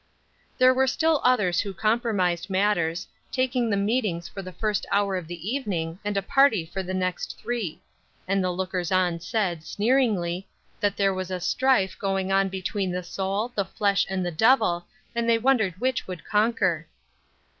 There were still others who compromised matters, taking the meetings for the first hour of the evening and a party for the next three; and the lookers on said, sneeringly, that there was a strife going on between the soul, the flesh and the devil, and they wondered which would conquer!